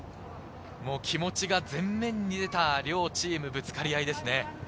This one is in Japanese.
気持ちが前面に出た両チームのぶつかり合いですね。